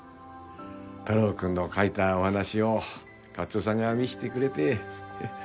太郎くんの書いたお話を勝夫さんが見してくれて。